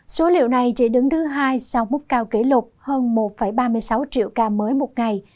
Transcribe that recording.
số liệu này chỉ đứng thứ hai sau múc cao kỷ lục hơn một ba mươi sáu triệu ca mới một ngày